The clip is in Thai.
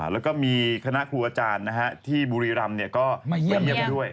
แล้วก็มีคณะครูอาจารย์นะฮะที่บุรีรัมย์เนี่ยก็เผ็บอิยบไปด้วย